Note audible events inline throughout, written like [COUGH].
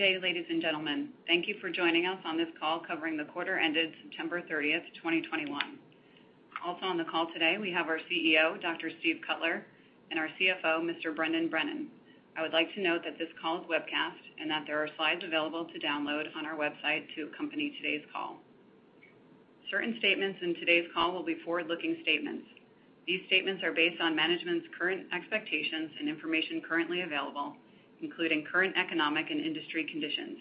Good day, ladies and gentlemen. Thank you for joining us on this call covering the quarter ended 30 September, 2021. Also on the call today, we have our CEO, Dr. Steve Cutler, and our CFO, Mr. Brendan Brennan. I would like to note that this call is webcasted and that there are slides available to download on our website to accompany today's call. Certain statements in today's call will be forward-looking statements. These statements are based on management's current expectations and information currently available, including current economic and industry conditions.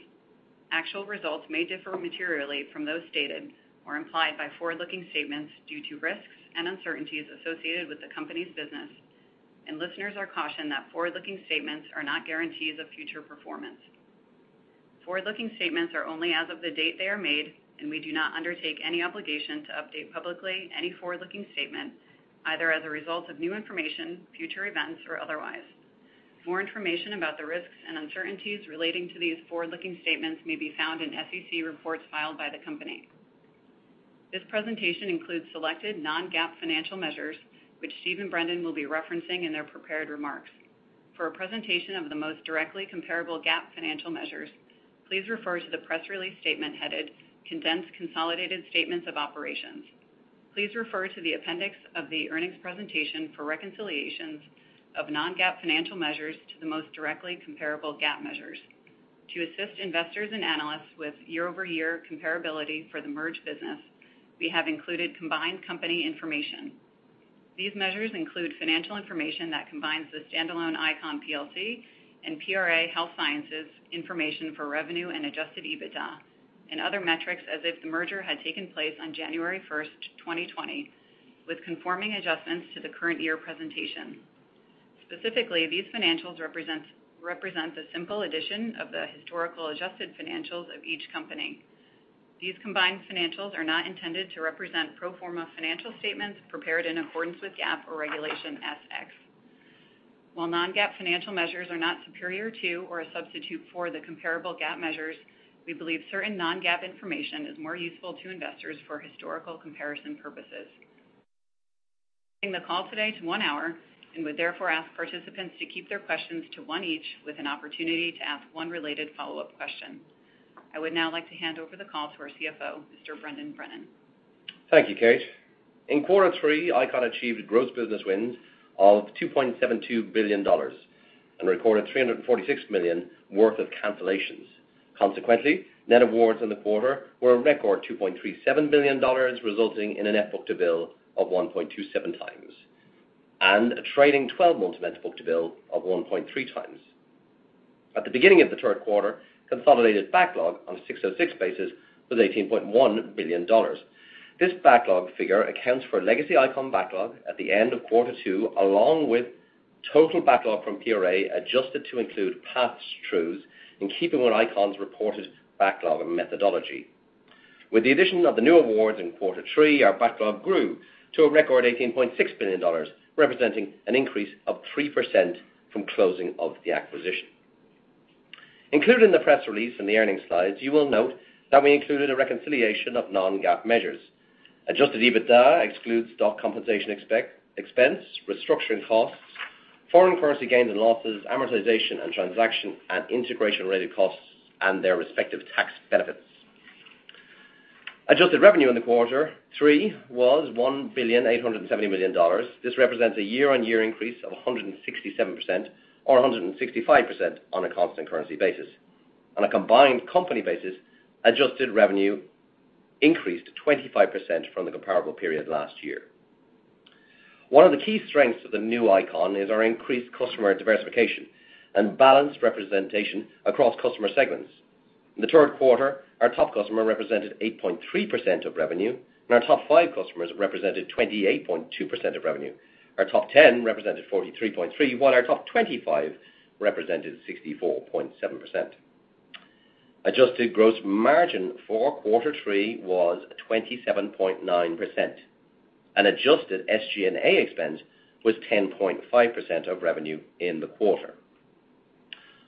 Actual results may differ materially from those stated or implied by forward-looking statements due to risks and uncertainties associated with the company's business, and listeners are cautioned that forward-looking statements are not guarantees of future performance. Forward-looking statements are only as of the date they are made, and we do not undertake any obligation to update publicly any forward-looking statement, either as a result of new information, future events, or otherwise. More information about the risks and uncertainties relating to these forward-looking statements may be found in SEC reports filed by the company. This presentation includes selected non-GAAP financial measures, which Steve and Brendan will be referencing in their prepared remarks. For a presentation of the most directly comparable GAAP financial measures, please refer to the press release statement headed Condensed Consolidated Statements of Operations. Please refer to the appendix of the earnings presentation for reconciliations of non-GAAP financial measures to the most directly comparable GAAP measures. To assist investors and analysts with year-over-year comparability for the merged business, we have included combined company information. These measures include financial information that combines the standalone ICON plc and PRA Health Sciences information for revenue and adjusted EBITDA and other metrics as if the merger had taken place on 1st January, 2020, with conforming adjustments to the current year presentation. Specifically, these financials represents a simple addition of the historical adjusted financials of each company. These combined financials are not intended to represent pro forma financial statements prepared in accordance with GAAP or Regulation S-X. While non-GAAP financial measures are not superior to or a substitute for the comparable GAAP measures, we believe certain non-GAAP information is more useful to investors for historical comparison purposes. We are limiting the call today to one hour and would therefore ask participants to keep their questions to one each with an opportunity to ask one related follow-up question. I would now like to hand over the call to our CFO, Mr. Brendan Brennan. Thank you, Kate. In quarter three, ICON achieved gross business wins of $2.72 billion and recorded $346 million worth of cancellations. Consequently, net awards in the quarter were a record $2.37 billion, resulting in a net book-to-bill of 1.27x and a trailing twelve-month net book-to-bill of 1.3x. At the beginning of the Q3, consolidated backlog on an ASC 606 basis was $18.1 billion. This backlog figure accounts for legacy ICON backlog at the end of Q2, along with total backlog from PRA, adjusted to include pass-throughs in keeping with ICON's reported backlog methodology. With the addition of the new awards in Q3, our backlog grew to a record $18.6 billion, representing an increase of 3% from closing of the acquisition. Included in the press release in the earnings slides, you will note that we included a reconciliation of non-GAAP measures. Adjusted EBITDA excludes stock compensation expense, restructuring costs, foreign currency gains and losses, amortization, and transaction and integration-related costs and their respective tax benefits. Adjusted revenue in the Q3 was $1.87 billion. This represents a year-on-year increase of 167% or 165% on a constant currency basis. On a combined company basis, adjusted revenue increased 25% from the comparable period last year. One of the key strengths of the new ICON is our increased customer diversification and balanced representation across customer segments. In the Q3, our top customer represented 8.3% of revenue, and our top five customers represented 28.2% of revenue. Our top 10 represented 43.3%, while our top 25 represented 64.7%. Adjusted gross margin for quarter three was 27.9%, and adjusted SG&A expense was 10.5% of revenue in the quarter.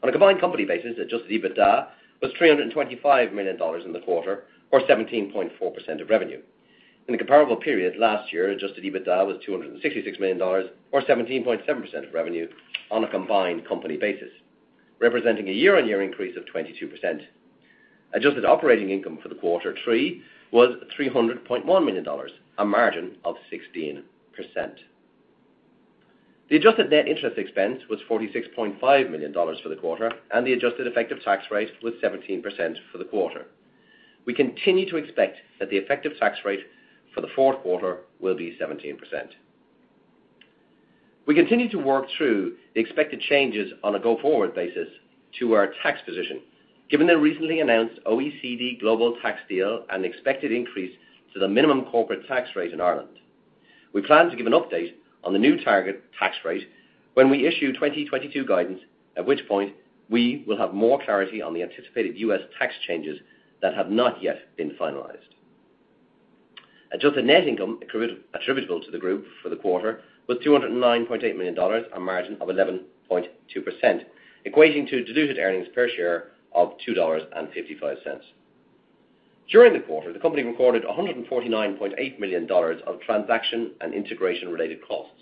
On a combined company basis, adjusted EBITDA was $325 million in the quarter, or 17.4% of revenue. In the comparable period last year, adjusted EBITDA was $266 million or 17.7% of revenue on a combined company basis, representing a year-on-year increase of 22%. Adjusted operating income for Q3 was $300.1 million, a margin of 16%. The adjusted net interest expense was $46.5 million for the quarter, and the adjusted effective tax rate was 17% for the quarter. We continue to expect that the effective tax rate for the Q4 will be 17%. We continue to work through the expected changes on a go-forward basis to our tax position, given the recently announced OECD global tax deal and expected increase to the minimum corporate tax rate in Ireland. We plan to give an update on the new target tax rate when we issue 2022 guidance, at which point we will have more clarity on the anticipated US tax changes that have not yet been finalized. Adjusted net income attributable to the group for the quarter was $209.8 million, a margin of 11.2%, equating to diluted earnings per share of $2.55. During the quarter, the company recorded $149.8 million of transaction and integration related costs.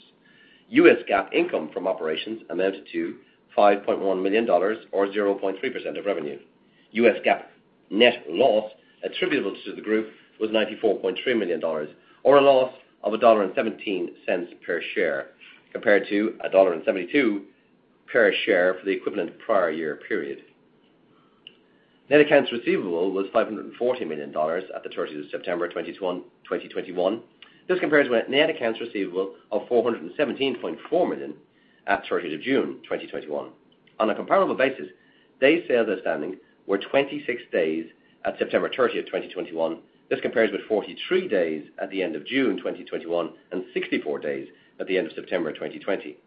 US GAAP income from operations amounted to $5.1 million or 0.3% of revenue. US GAAP net loss attributable to the group was $94.3 million or a loss of $1.17 per share, compared to $1.72 per share for the equivalent prior year period. Net accounts receivable was $540 million at 30 September, 2021. This compares with net accounts receivable of $417.4 million at 30 June, 2021. On a comparable basis, days sales outstanding were 26 days at 30 September, 2021. This compares with 43 days at the end of June 2021 and 64 days at the end of September 2020.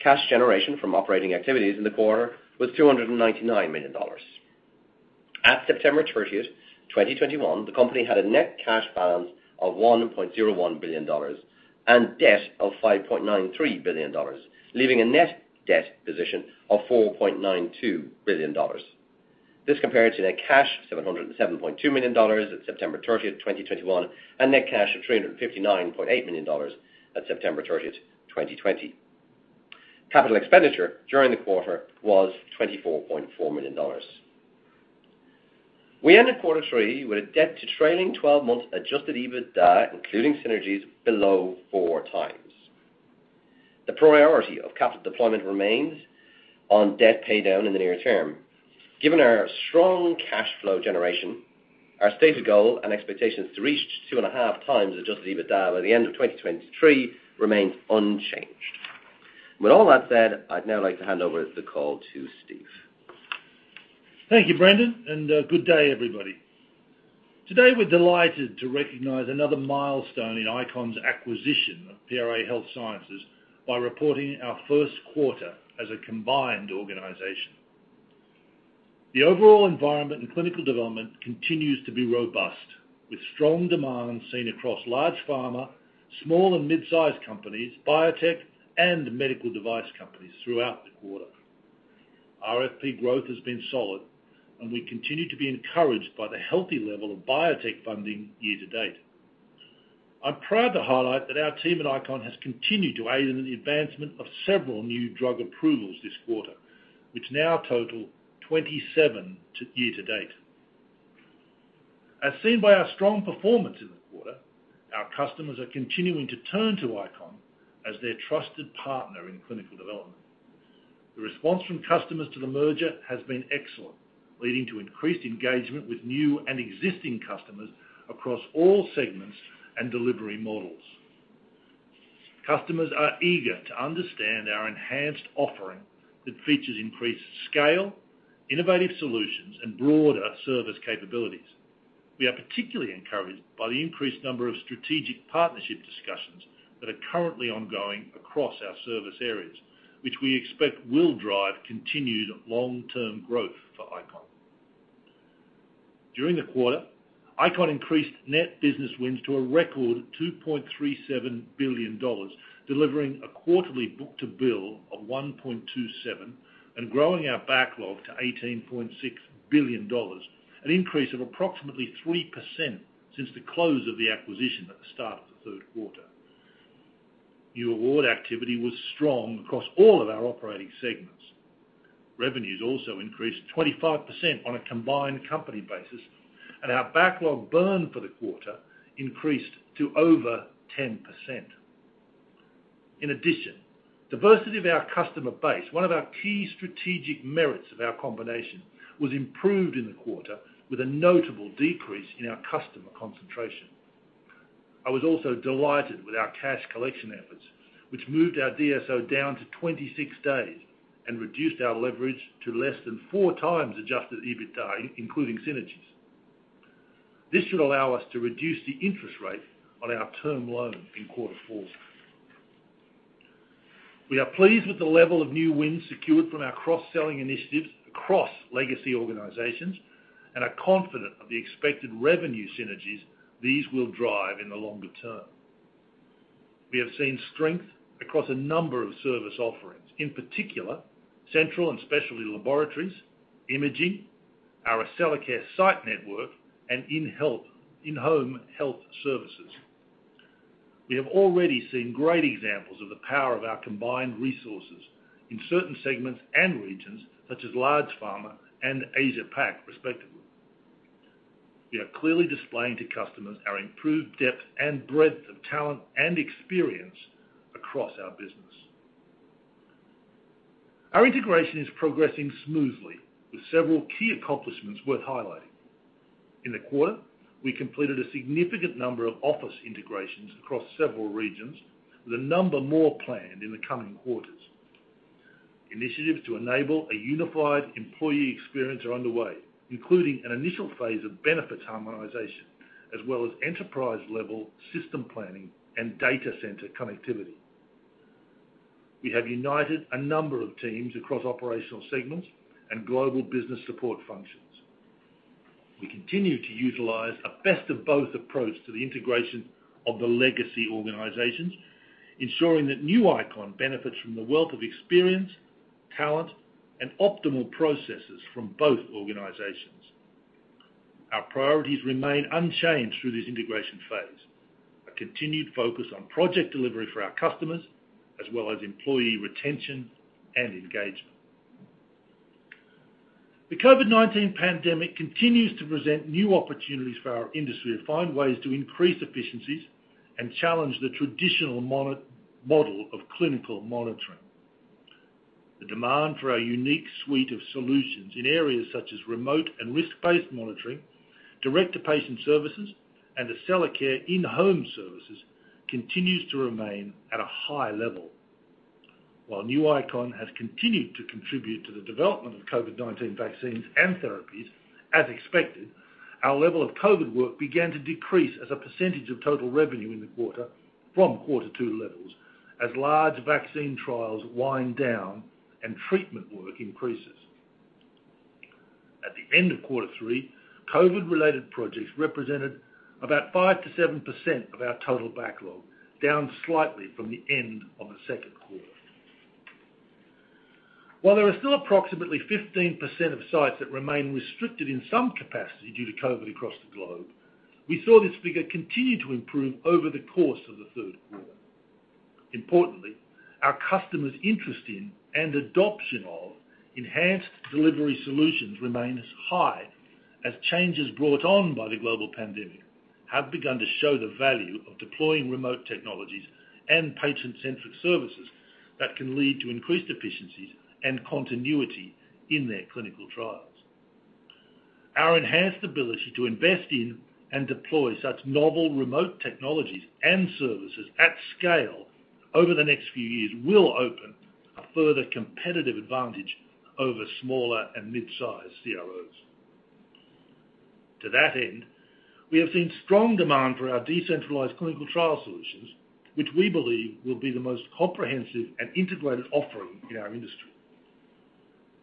Cash generation from operating activities in the quarter was $299 million. At 30 September, 2021, the company had a net cash balance of $1.01 billion and debt of $5.93 billion, leaving a net debt position of $4.92 billion. This compares to net cash of $707.2 million at 30 September, 2021, and net cash of $359.8 million at 30 September, 2020. Capital expenditure during the quarter was $24.4 million. We ended quarter three with a debt to trailing 12 months adjusted EBITDA, including synergies below 4x. The priority of capital deployment remains on debt pay down in the near term. Given our strong cash flow generation, our stated goal and expectations to reach 2.5x adjusted EBITDA by the end of 2023 remains unchanged. With all that said, I'd now like to hand over the call to Steve. Thank you, Brendan, and good day, everybody. Today, we're delighted to recognize another milestone in ICON's acquisition of PRA Health Sciences by reporting our Q1 as a combined organization. The overall environment in clinical development continues to be robust, with strong demand seen across large pharma, small and mid-size companies, biotech, and medical device companies throughout the quarter. RFP growth has been solid and we continue to be encouraged by the healthy level of biotech funding year to date. I'm proud to highlight that our team at ICON has continued to aid in the advancement of several new drug approvals this quarter, which now total 27 year to date. As seen by our strong performance in the quarter, our customers are continuing to turn to ICON as their trusted partner in clinical development. The response from customers to the merger has been excellent, leading to increased engagement with new and existing customers across all segments and delivery models. Customers are eager to understand our enhanced offering that features increased scale, innovative solutions, and broader service capabilities. We are particularly encouraged by the increased number of strategic partnership discussions that are currently ongoing across our service areas, which we expect will drive continued long-term growth for ICON. During the quarter, ICON increased net business wins to a record $2.37 billion, delivering a quarterly book-to-bill of 1.27 and growing our backlog to $18.6 billion, an increase of approximately 3% since the close of the acquisition at the start of the Q3. New award activity was strong across all of our operating segments. Revenues also increased 25% on a combined company basis, and our backlog burn for the quarter increased to over 10%. In addition, diversity of our customer base, one of our key strategic merits of our combination, was improved in the quarter with a notable decrease in our customer concentration. I was also delighted with our cash collection efforts, which moved our DSO down to 26 days and reduced our leverage to less than 4x adjusted EBITDA, including synergies. This should allow us to reduce the interest rate on our term loan in quarter four. We are pleased with the level of new wins secured from our cross-selling initiatives across legacy organizations and are confident of the expected revenue synergies these will drive in the longer term. We have seen strength across a number of service offerings, in particular central and specialty laboratories, imaging, our Accellacare site network, and in-home health services. We have already seen great examples of the power of our combined resources in certain segments and regions such as Large Pharma and Asia-Pac, respectively. We are clearly displaying to customers our improved depth and breadth of talent and experience across our business. Our integration is progressing smoothly with several key accomplishments worth highlighting. In the quarter, we completed a significant number of office integrations across several regions, with a number more planned in the coming quarters. Initiatives to enable a unified employee experience are underway, including an initial phase of benefits harmonization, as well as enterprise-level system planning and data center connectivity. We have united a number of teams across operational segments and global business support functions. We continue to utilize a best-of-both approach to the integration of the legacy organizations, ensuring that new ICON benefits from the wealth of experience, talent, and optimal processes from both organizations. Our priorities remain unchanged through this integration phase, a continued focus on project delivery for our customers, as well as employee retention and engagement. The COVID-19 pandemic continues to present new opportunities for our industry to find ways to increase efficiencies and challenge the traditional monitoring model of clinical monitoring. The demand for our unique suite of solutions in areas such as remote and risk-based monitoring, direct-to-patient services, and Accellacare in-home services continues to remain at a high level. While new ICON has continued to contribute to the development of COVID-19 vaccines and therapies as expected, our level of COVID work began to decrease as a percentage of total revenue in the quarter from Q2 levels as large vaccine trials wind down and treatment work increases. At the end of quarter three, COVID-related projects represented about 5% to 7% of our total backlog, down slightly from the end of the Q2. While there are still approximately 15% of sites that remain restricted in some capacity due to COVID across the globe, we saw this figure continue to improve over the course of the Q3. Importantly, our customers' interest in and adoption of enhanced delivery solutions remain as high, as changes brought on by the global pandemic have begun to show the value of deploying remote technologies and patient-centric services that can lead to increased efficiencies and continuity in their clinical trials. Our enhanced ability to invest in and deploy such novel remote technologies and services at scale over the next few years will open a further competitive advantage over smaller and mid-size CROs. To that end, we have seen strong demand for our decentralized clinical trial solutions, which we believe will be the most comprehensive and integrated offering in our industry.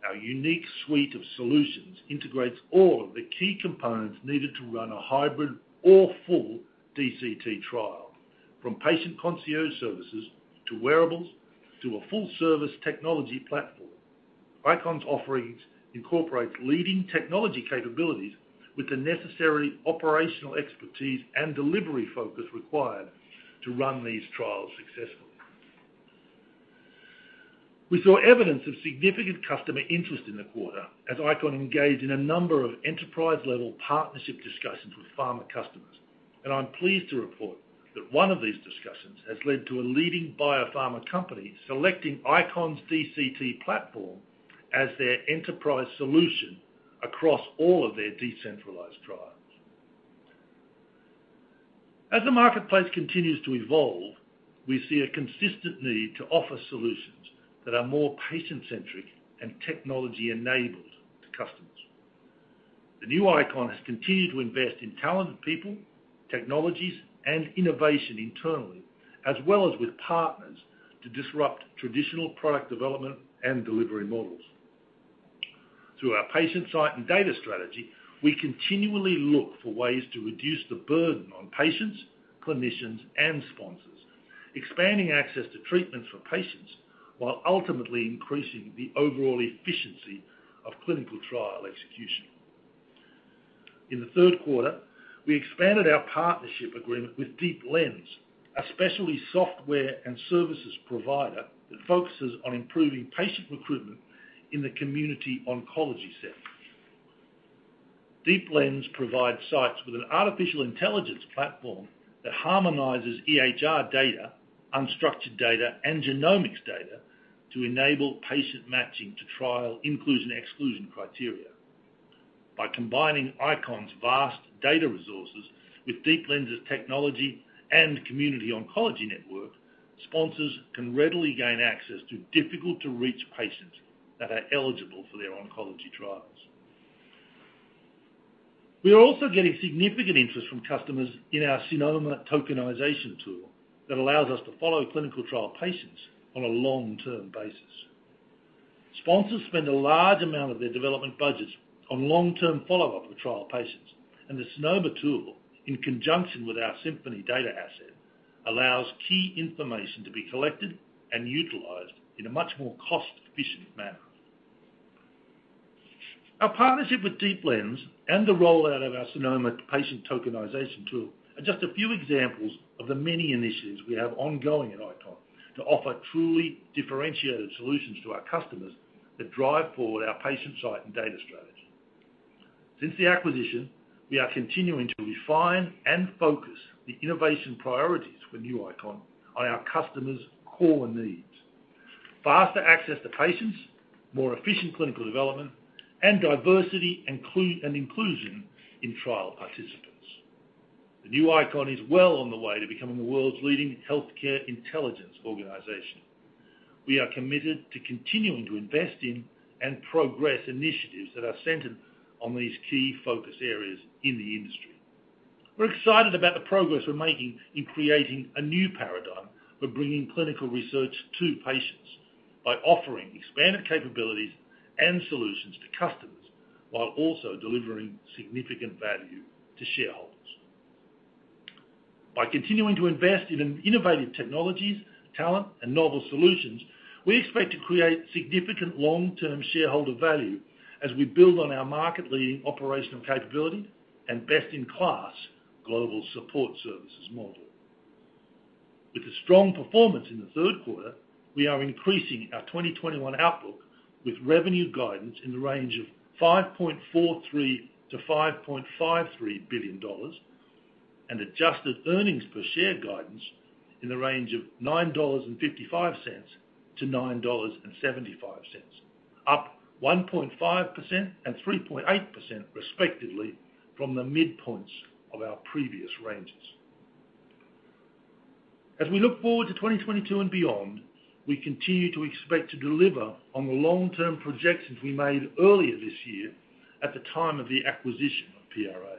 Our unique suite of solutions integrates all of the key components needed to run a hybrid or full DCT trial, from patient concierge services to wearables, to a full service technology platform. ICON's offerings incorporate leading technology capabilities with the necessary operational expertise and delivery focus required to run these trials successfully. We saw evidence of significant customer interest in the quarter as ICON engaged in a number of enterprise-level partnership discussions with pharma customers. I'm pleased to report that one of these discussions has led to a leading biopharma company selecting ICON's DCT platform as their enterprise solution across all of their decentralized trials. As the marketplace continues to evolve, we see a consistent need to offer solutions that are more patient-centric and technology-enabled to customers. The new ICON has continued to invest in talented people, technologies, and innovation internally, as well as with partners to disrupt traditional product development and delivery models. Through our patient site and data strategy, we continually look for ways to reduce the burden on patients, clinicians and sponsors, expanding access to treatments for patients while ultimately increasing the overall efficiency of clinical trial execution. In the Q3, we expanded our partnership agreement with Deep Lens, a specialty software and services provider that focuses on improving patient recruitment in the community oncology setting. Deep Lens provides sites with an artificial intelligence platform that harmonizes EHR data, unstructured data, and genomics data to enable patient matching to trial inclusion, exclusion criteria. By combining ICON's vast data resources with Deep Lens' technology and community oncology network, sponsors can readily gain access to difficult to reach patients that are eligible for their oncology trials. We are also getting significant interest from customers in our Synoma tokenization tool that allows us to follow clinical trial patients on a long-term basis. Sponsors spend a large amount of their development budgets on long-term follow-up with trial patients, and the Synoma tool, in conjunction with our Symphony data asset, allows key information to be collected and utilized in a much more cost-efficient manner. Our partnership with Deep Lens and the rollout of our Synoma patient tokenization tool are just a few examples of the many initiatives we have ongoing at ICON to offer truly differentiated solutions to our customers that drive forward our patient site and data strategy. Since the acquisition, we are continuing to refine and focus the innovation priorities for new ICON on our customers' core needs. Faster access to patients, more efficient clinical development, and diversity and inclusion in trial participants. The new ICON is well on the way to becoming the world's leading healthcare intelligence organization. We are committed to continuing to invest in and progress initiatives that are centered on these key focus areas in the industry. We're excited about the progress we're making in creating a new paradigm for bringing clinical research to patients by offering expanded capabilities and solutions to customers, while also delivering significant value to shareholders. By continuing to invest in innovative technologies, talent, and novel solutions, we expect to create significant long-term shareholder value as we build on our market-leading operational capability and best-in-class global support services model. With a strong performance in the Q3, we are increasing our 2021 outlook with revenue guidance in the range of $5.43 billion to $5.53 billion and adjusted earnings per share guidance in the range of $9.55 to $9.75, up 1.5% and 3.8% respectively from the midpoints of our previous ranges. As we look forward to 2022 and beyond, we continue to expect to deliver on the long-term projections we made earlier this year at the time of the acquisition of PRA.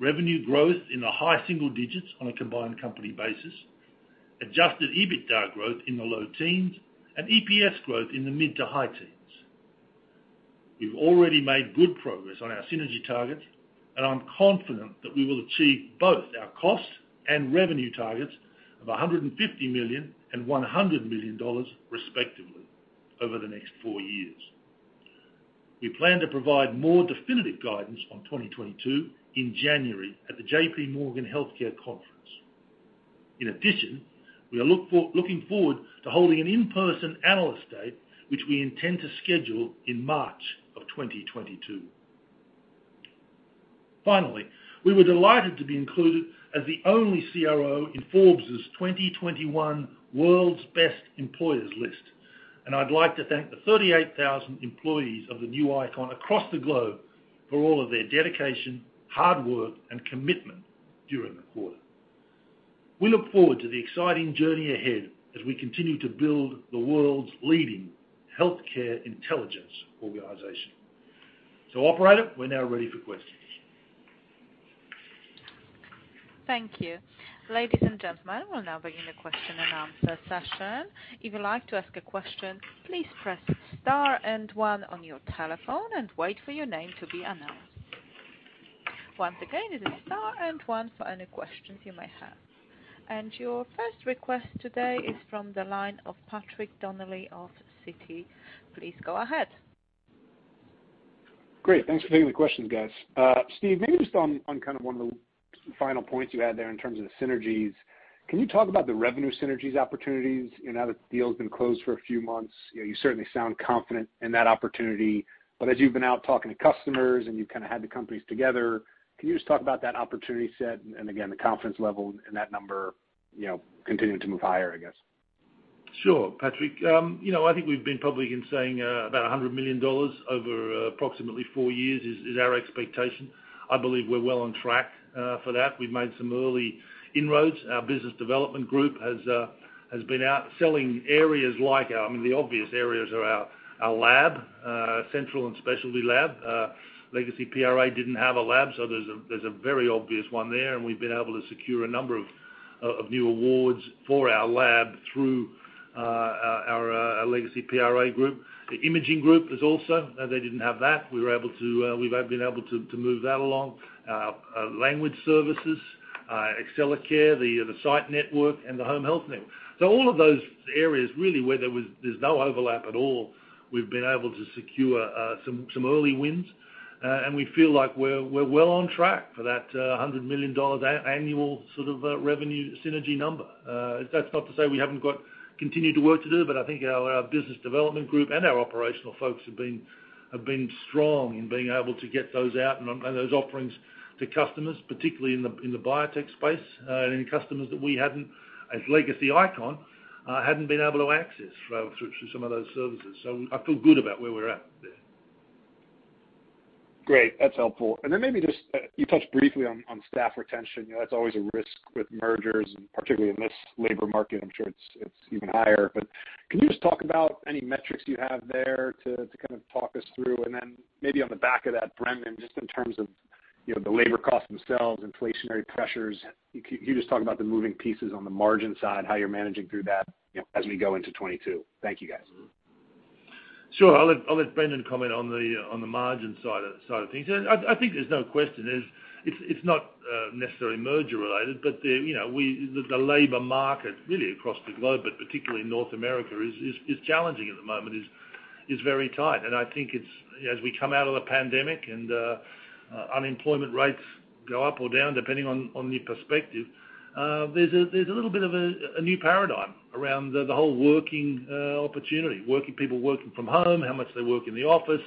Revenue growth in the high single digits on a combined company basis, adjusted EBITDA growth in the low teens, and EPS growth in the mid- to high teens. We've already made good progress on our synergy targets, and I'm confident that we will achieve both our costs and revenue targets of $150 million and $100 million respectively over the next four years. We plan to provide more definitive guidance on 2022 in January at the JPMorgan Healthcare Conference. In addition, we are looking forward to holding an in-person analyst day, which we intend to schedule in March 2022. Finally, we were delighted to be included as the only CRO in Forbes's 2021 World's Best Employers list. I'd like to thank the 38,000 employees of the new ICON across the globe for all of their dedication, hard work, and commitment during the quarter. We look forward to the exciting journey ahead as we continue to build the world's leading healthcare intelligence organization. Operator, we're now ready for questions. Thank you. Ladies and gentlemen, we'll now begin the question and answer session. If you'd like to ask a question, please press Star and One on your telephone and wait for your name to be announced. Once again, it is Star and One for any questions you may have. Your first request today is from the line of Patrick Donnelly of Citi. Please go ahead. Great. Thanks for taking the questions, guys. Steve, maybe just on kind of one of the final points you had there in terms of the synergies. Can you talk about the revenue synergies opportunities now that the deal's been closed for a few months? You certainly sound confident in that opportunity. As you've been out talking to customers, and you've kinda had the companies together, can you just talk about that opportunity set and again, the confidence level in that number, you know, continuing to move higher, I guess? Sure, Patrick. You know, I think we've been public in saying about $100 million over approximately four years is our expectation. I believe we're well on track for that. We've made some early inroads. Our business development group has been out selling areas. I mean, the obvious areas are our lab, central and specialty lab. Legacy PRA didn't have a lab, so there's a very obvious one there, and we've been able to secure a number of new awards for our lab through our legacy PRA group. The imaging group is also. They didn't have that. We've been able to move that along. Language services, Accellacare, the site network, and the home health network. All of those areas, really, where there's no overlap at all, we've been able to secure some early wins. We feel like we're well on track for that $100 million annual sort of revenue synergy number. That's not to say we haven't got continued work to do, but I think our business development group and our operational folks have been strong in being able to get those out and those offerings to customers, particularly in the biotech space, and in customers that we hadn't, as legacy ICON, hadn't been able to access through some of those services. I feel good about where we're at there. Great. That's helpful. Maybe just you touched briefly on staff retention. You know, that's always a risk with mergers, and particularly in this labor market, I'm sure it's even higher. But can you just talk about any metrics you have there to kind of talk us through? Maybe on the back of that, Brendan, just in terms of, you know, the labor costs themselves, inflationary pressures, can you just talk about the moving pieces on the margin side, how you're managing through that, you know, as we go into 2022? Thank you, guys. Sure. I'll let Brendan comment on the margin side of things. I think there's no question it's not necessarily merger related, but the labor market really across the globe, but particularly in North America, is challenging at the moment and very tight. I think it's as we come out of the pandemic and unemployment rates go up or down, depending on your perspective, there's a little bit of a new paradigm around the whole working opportunity, working people working from home, how much they work in the office.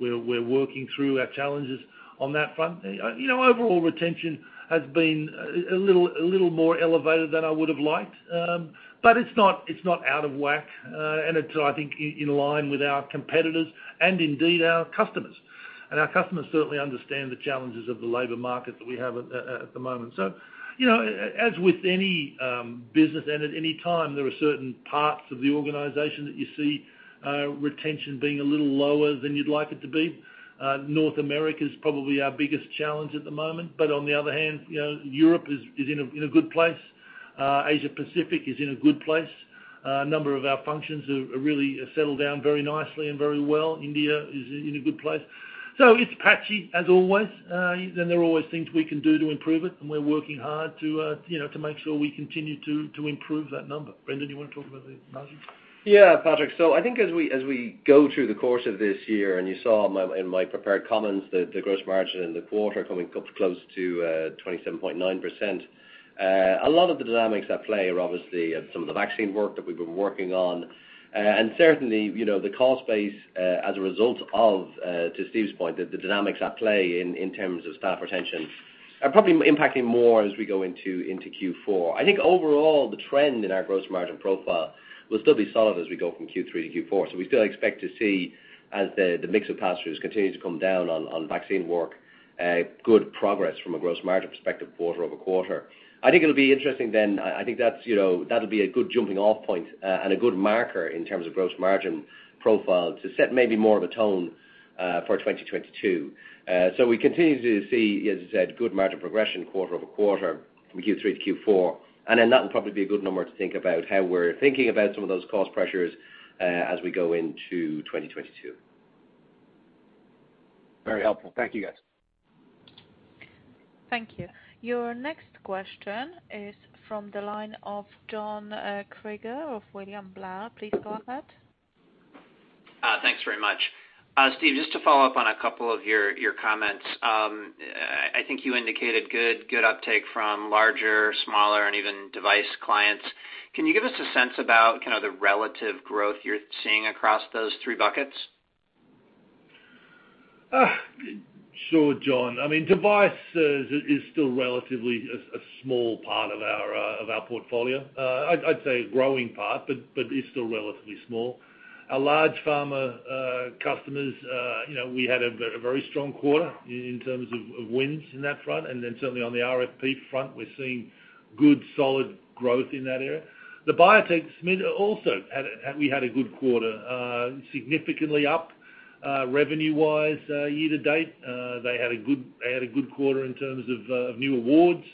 We're working through our challenges on that front. Overall retention has been a little more elevated than I would have liked. It's not out of whack. It's, I think, in line with our competitors and indeed our customers. Our customers certainly understand the challenges of the labor market that we have at the moment. You know, as with any business and at any time, there are certain parts of the organization that you see retention being a little lower than you'd like it to be. North America is probably our biggest challenge at the moment, but on the other hand, you know, Europe is in a good place. Asia Pacific is in a good place. A number of our functions have really settled down very nicely and very well. India is in a good place. It's patchy, as always. There are always things we can do to improve it, and we're working hard to, you know, to make sure we continue to improve that number. Brendan, do you wanna talk about the margins? Yeah, Patrick. I think as we go through the course of this year, and you saw in my prepared comments that the gross margin in the quarter coming up close to 27.9%. A lot of the dynamics at play are obviously of some of the vaccine work that we've been working on. Certainly, you know, the cost base as a result of to Steve's point, the dynamics at play in terms of staff retention are probably impacting more as we go into Q4. I think overall, the trend in our gross margin profile will still be solid as we go from Q3 to Q4. We still expect to see, as the mix of pass-throughs continue to come down on vaccine work, a good progress from a gross margin perspective quarter over quarter. I think it'll be interesting then. I think that's, you know, that'll be a good jumping off point, and a good marker in terms of gross margin profile to set maybe more of a tone, for 2022. We continue to see, as I said, good margin progression quarter over quarter from Q3 to Q4. Then that'll probably be a good number to think about how we're thinking about some of those cost pressures, as we go into 2022. Very helpful. Thank you, guys. Thank you. Your next question is from the line of John Kreger of William Blair. Please go ahead. Thanks very much. Steve, just to follow up on a couple of your comments. I think you indicated good uptake from larger, smaller, and even device clients. Can you give us a sense about kind of the relative growth you're seeing across those three buckets? Sure, John. I mean, device is still relatively a small part of our portfolio. I'd say a growing part, but it's still relatively small. Large pharma customers, you know, we had a very strong quarter in terms of wins in that front. Certainly on the RFP front, we're seeing good, solid growth in that area. The biotech segment also had a good quarter, significantly up revenue-wise year to date. They had a good quarter in terms of new awards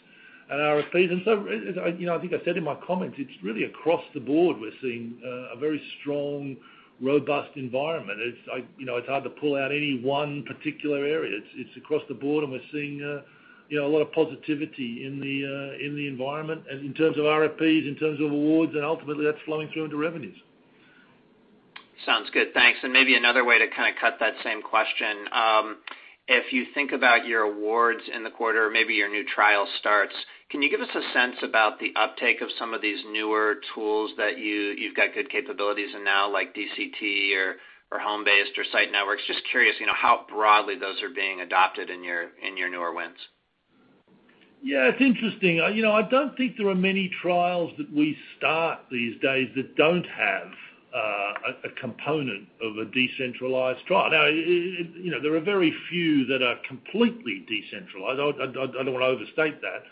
and RFPs. As I, you know, I think I said in my comments, it's really across the board, we're seeing a very strong, robust environment. It's. You know, it's hard to pull out any one particular area. It's across the board, and we're seeing, you know, a lot of positivity in the environment and in terms of RFPs, in terms of awards, and ultimately that's flowing through into revenues. Sounds good. Thanks. Maybe another way to kinda cut that same question. If you think about your awards in the quarter, maybe your new trial starts, can you give us a sense about the uptake of some of these newer tools that you've got good capabilities in now, like DCT or home-based or site networks? Just curious, you know, how broadly those are being adopted in your newer wins. Yeah, it's interesting. I don't think there are many trials that we start these days that don't have a component of a decentralized trial. There are very few that are completely decentralized. I don't wanna overstate that,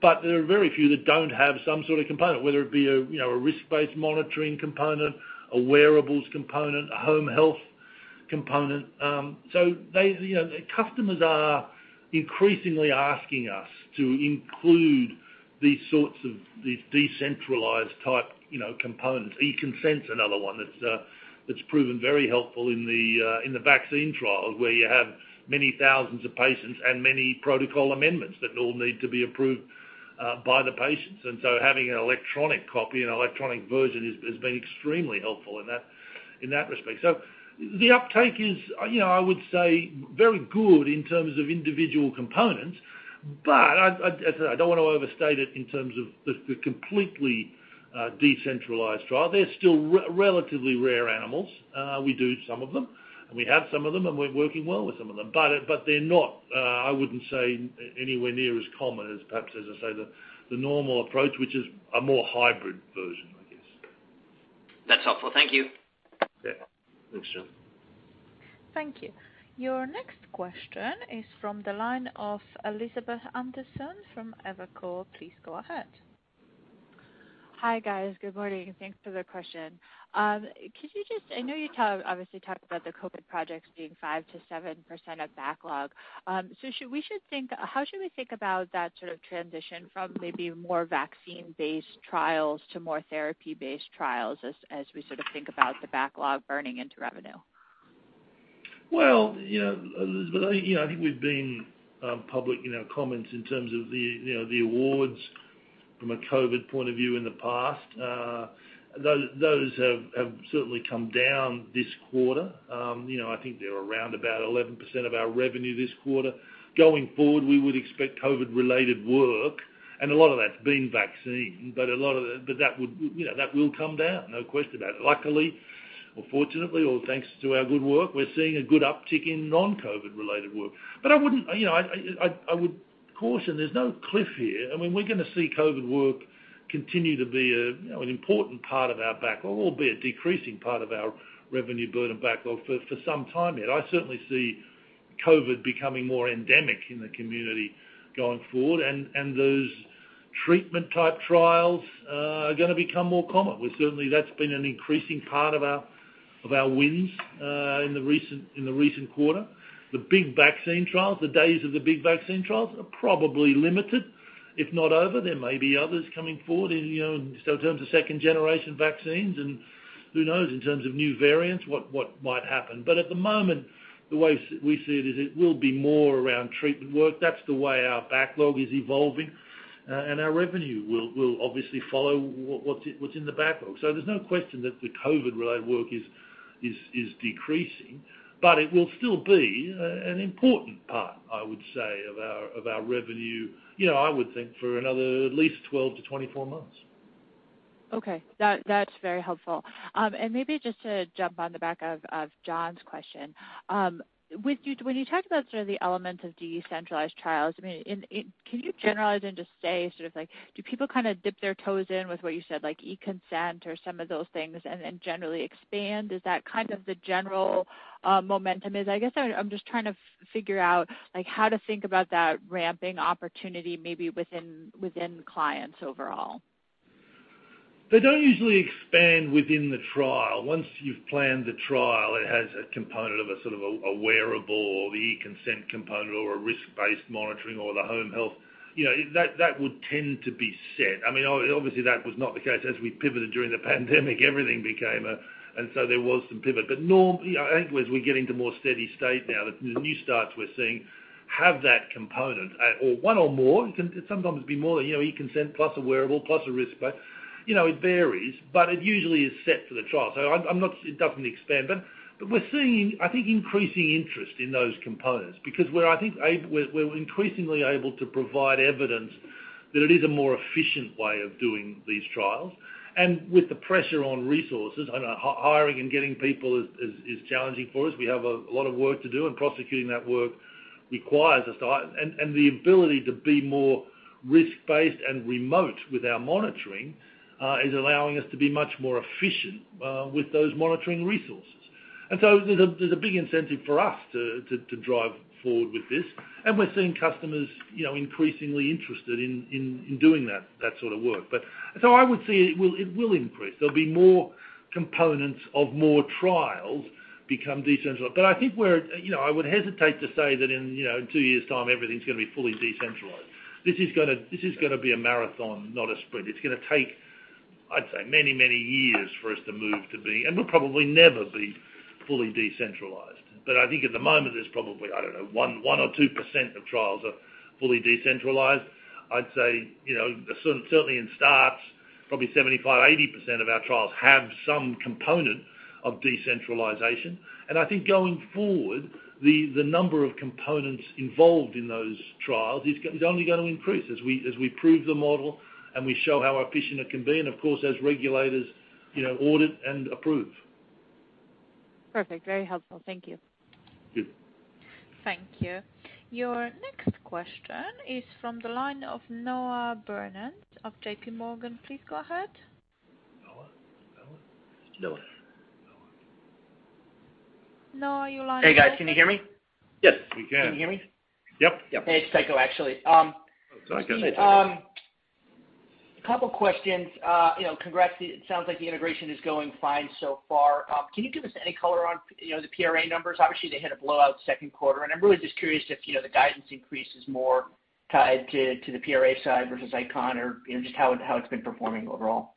but there are very few that don't have some sort of component, whether it be a risk-based monitoring component, a wearables component, a home health component. You know, the customers are increasingly asking us to include these sorts of decentralized type components. eConsent's another one that's proven very helpful in the vaccine trials, where you have many thousands of patients and many protocol amendments that all need to be approved by the patients. Having an electronic copy and electronic version has been extremely helpful in that respect. The uptake is, you know, I would say very good in terms of individual components, but I don't wanna overstate it in terms of the completely decentralized trial. They're still relatively rare animals. We do some of them, and we have some of them, and we're working well with some of them. They're not, I wouldn't say anywhere near as common as perhaps, as I say, the normal approach, which is a more hybrid version, I guess. That's helpful. Thank you. Yeah. Thanks, John. Thank you. Your next question is from the line of Elizabeth Anderson from Evercore. Please go ahead. Hi, guys. Good morning. Thanks for the question. I know you obviously talked about the COVID projects being 5% to 7% of backlog. How should we think about that sort of transition from maybe more vaccine-based trials to more therapy-based trials as we sort of think about the backlog burning into revenue? Well, you know, Elizabeth, you know, I think we've been public in our comments in terms of the, you know, the awards from a COVID point of view in the past. Those have certainly come down this quarter. You know, I think they're around about 11% of our revenue this quarter. Going forward, we would expect COVID-related work, and a lot of that's been vaccine, but a lot of that will come down, no question about it. Luckily or fortunately, all thanks to our good work, we're seeing a good uptick in non-COVID-related work. But I wouldn't. You know, I would caution there's no cliff here. I mean, we're gonna see COVID work continue to be a, you know, an important part of our backlog, albeit decreasing part of our backlog burn and backlog for some time yet. I certainly see COVID becoming more endemic in the community going forward. Those treatment type trials are gonna become more common. Well, certainly that's been an increasing part of our wins in the recent quarter. The big vaccine trials, the days of the big vaccine trials are probably limited. If not over there may be others coming forward in, you know, in terms of second-generation vaccines and who knows in terms of new variants, what might happen. At the moment, the way we see it is it will be more around treatment work. That's the way our backlog is evolving, and our revenue will obviously follow what's in the backlog. There's no question that the COVID-related work is decreasing, but it will still be an important part, I would say, of our revenue, you know, I would think for another at least 12 to 24 months. Okay. That's very helpful. Maybe just to jump on the back of John's question. When you talked about sort of the elements of decentralized trials, I mean, can you generalize and just say sort of like, do people kinda dip their toes in with what you said, like eConsent or some of those things and generally expand? Is that kind of the general momentum? I guess I'm just trying to figure out like how to think about that ramping opportunity maybe within clients overall. They don't usually expand within the trial. Once you've planned the trial, it has a component of a sort of a wearable or the eConsent component or a risk-based monitoring or the home health. You know, that would tend to be set. I mean, obviously, that was not the case. As we pivoted during the pandemic, everything became, so there was some pivot. I think as we get into more steady state now, the new starts we're seeing have that component or one or more. It can sometimes be more, you know, eConsent plus a wearable plus a risk, but, you know, it varies, but it usually is set for the trial. I'm not. It doesn't expand. We're seeing, I think, increasing interest in those components because we're, I think, increasingly able to provide evidence that it is a more efficient way of doing these trials. With the pressure on resources and hiring and getting people is challenging for us. We have a lot of work to do, and prosecuting that work requires us to the ability to be more risk-based and remote with our monitoring is allowing us to be much more efficient with those monitoring resources. There's a big incentive for us to drive forward with this. We're seeing customers, you know, increasingly interested in doing that sort of work. I would say it will increase. There'll be more components of more trials become decentralized. I think we're, you know, I would hesitate to say that in, you know, in two years' time, everything's gonna be fully decentralized. This is gonna be a marathon, not a sprint. It's gonna take, I'd say, many years for us to move to be, and we'll probably never be fully decentralized. I think at the moment, there's probably, I don't know, 1% or 2% of trials are fully decentralized. I'd say, you know, certainly in starts, probably 75% to 80% of our trials have some component of decentralization. I think going forward, the number of components involved in those trials is only gonna increase as we prove the model and we show how efficient it can be and of course, as regulators, you know, audit and approve. Perfect. Very helpful. Thank you. Sure. Thank you. Your next question is from the line of Noah Brennan of JPMorgan. Please go ahead. Noah? Noah. Noah. Noah, your line is open. Hey, guys. Can you hear me? Yes. Can you hear me? Yep. Hey, it's Tycho, actually. [CROSSTALK] a couple questions. You know, congrats. It sounds like the integration is going fine so far. Can you give us any color on, you know, the PRA numbers? Obviously, they had a blowout Q2, and I'm really just curious if, you know, the guidance increase is more tied to the PRA side versus ICON or, you know, just how it's been performing overall.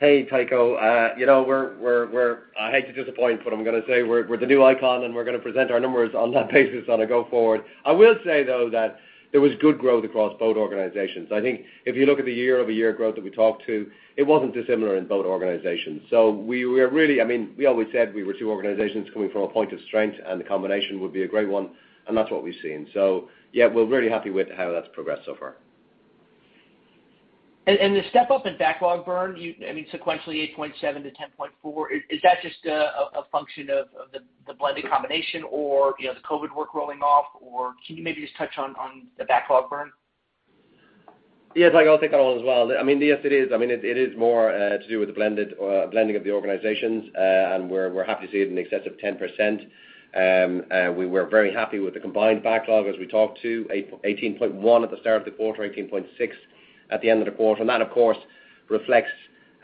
Hey, Tycho. You know, we're the new ICON, and we're gonna present our numbers on that basis going forward. I will say, though, that there was good growth across both organizations. I think if you look at the year-over-year growth that we talked to, it wasn't dissimilar in both organizations. We're really, I mean, we always said we were two organizations coming from a point of strength, and the combination would be a great one, and that's what we've seen. Yeah, we're really happy with how that's progressed so far. The step up in backlog burn, I mean, sequentially 8.7% to 10.4%, is that just a function of the blended combination or, you know, the COVID work rolling off, or can you maybe just touch on the backlog burn? Yes, I'll take that one as well. I mean, yes, it is. I mean, it is more to do with the blended or blending of the organizations, and we're happy to see it in excess of 10%. We were very happy with the combined backlog as we talked about $18.1 at the start of the quarter, $18.6 at the end of the quarter. That, of course, reflects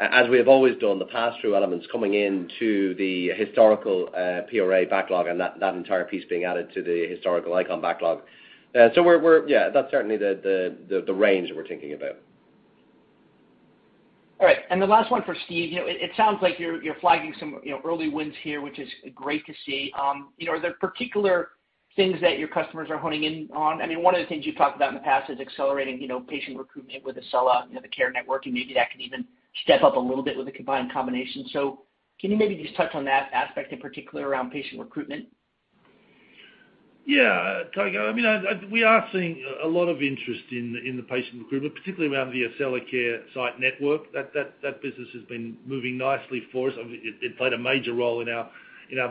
as we have always done the pass-through elements coming into the historical PRA backlog and that entire piece being added to the historical ICON backlog. Yeah, that's certainly the range that we're thinking about. All right. The last one for Steve. You know, it sounds like you're flagging some you know early wins here, which is great to see. You know, are there particular things that your customers are honing in on? I mean, one of the things you've talked about in the past is accelerating, you know, patient recruitment with Accellacare, you know, the care network, and maybe that can even step up a little bit with the combined combination. Can you maybe just touch on that aspect in particular around patient recruitment? Yeah. Tycho, I mean, we are seeing a lot of interest in the patient recruitment, particularly around the Accellacare site network. That business has been moving nicely for us. It played a major role in our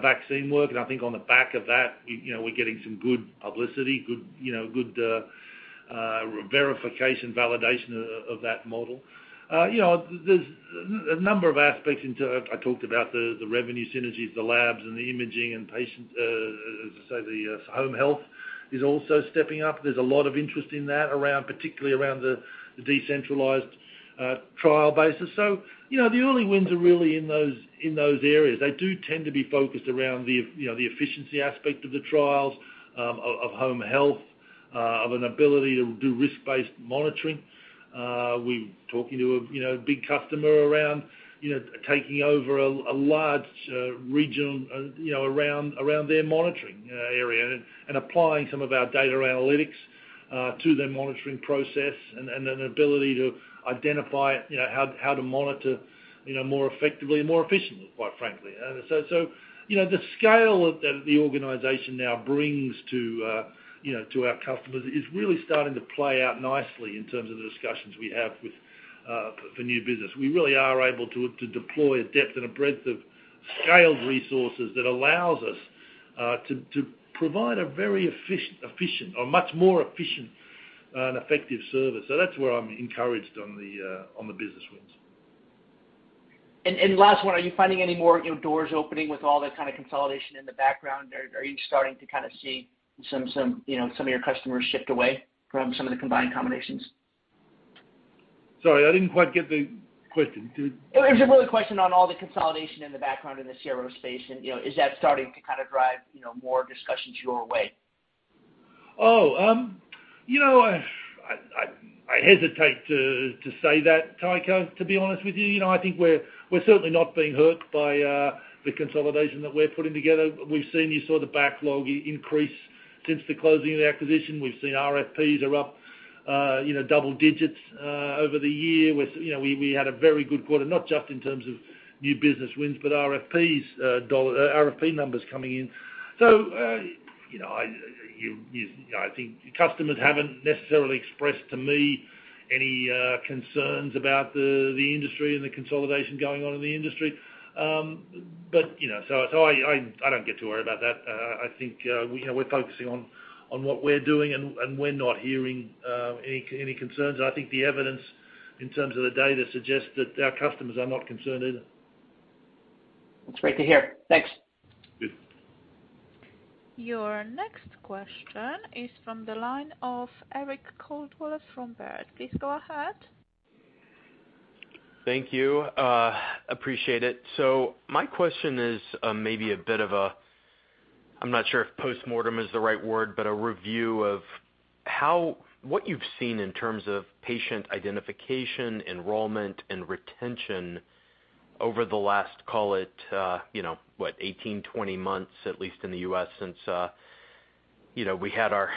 vaccine work. I think on the back of that, we're getting some good publicity, verification, validation of that model. There's a number of aspects into. I talked about the revenue synergies, the labs and the imaging and patient, as I say, the home health is also stepping up. There's a lot of interest in that around particularly around the decentralized trial basis. The early wins are really in those areas. They do tend to be focused around the, you know, the efficiency aspect of the trials, of home health, of an ability to do risk-based monitoring. We're talking to a, you know, big customer around, you know, taking over a large regional, you know, around their monitoring area and applying some of our data analytics to their monitoring process and an ability to identify, you know, how to monitor, you know, more effectively and more efficiently, quite frankly. The scale of the organization now brings to our customers is really starting to play out nicely in terms of the discussions we have with customers for new business. We really are able to deploy a depth and a breadth of scaled resources that allows us to provide a very efficient or much more efficient and effective service. That's where I'm encouraged on the business wins. last one, are you finding any more, you know, doors opening with all the kind of consolidation in the background, or are you starting to kind of see some, you know, some of your customers shift away from some of the combined combinations? Sorry, I didn't quite get the question. It was a real question on all the consolidation in the background in the CRO space and, you know, is that starting to kinda drive, you know, more discussions your way? You know, I hesitate to say that, Tycho, to be honest with you. You know, I think we're certainly not being hurt by the consolidation that we're putting together. You saw the backlog increase since the closing of the acquisition. We've seen RFPs are up, you know, double digits, over the year. You know, we had a very good quarter, not just in terms of new business wins, but RFPs, dollar RFP numbers coming in. You know, I think customers haven't necessarily expressed to me any concerns about the industry and the consolidation going on in the industry. You know, I don't get too worried about that. I think, you know, we're focusing on what we're doing, and we're not hearing any concerns. I think the evidence in terms of the data suggests that our customers are not concerned either. That's great to hear. Thanks. Good. Your next question is from the line of Eric Coldwell from Baird. Please go ahead. Thank you. Appreciate it. My question is maybe a bit of a. I'm not sure if postmortem is the right word, but a review of what you've seen in terms of patient identification, enrollment, and retention over the last, call it, 18, 20 months, at least in the US, since we had our